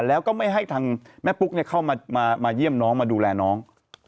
แล้วก็ไม่ให้ทางแม่ปุ๊กเข้ามาเยี่ยมน้องมาดูแลน้อง